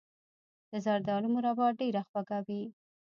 د زردالو مربا ډیره خوږه وي.